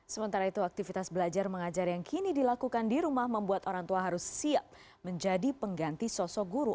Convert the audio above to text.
sementara itu aktivitas belajar mengajar yang kini dilakukan di rumah membuat orang tua harus siap menjadi pengganti sosok guru